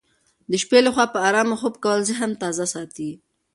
د شپې لخوا په ارامه خوب کول ذهن تازه ساتي.